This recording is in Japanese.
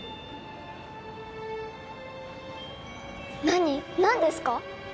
何何ですか？